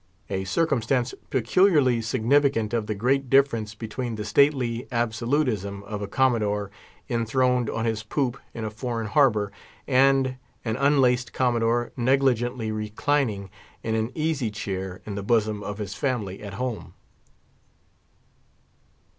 A circumstance peculiarly significant of the great difference between the stately absolutism of a Commodore enthroned on his poop in a foreign harbour, and an unlaced Commodore negligently reclining in an easy chair in the bosom of his family at home.